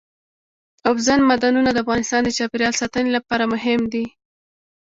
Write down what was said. اوبزین معدنونه د افغانستان د چاپیریال ساتنې لپاره مهم دي.